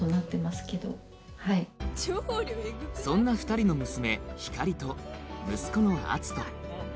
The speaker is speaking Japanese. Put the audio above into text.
そんな２人の娘光莉と息子の篤斗